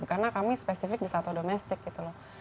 karena kami spesifik di satwa domestik gitu loh